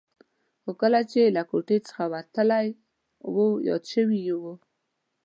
خو کله چې له کوټې څخه وتلی و یاد شوي یې و.